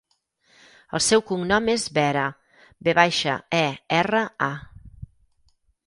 El seu cognom és Vera: ve baixa, e, erra, a.